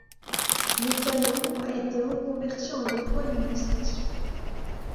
Mécano a été reconverti en locaux administratifs.